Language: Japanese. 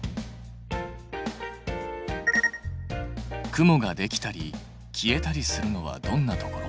雲ができたり消えたりするのはどんなところ？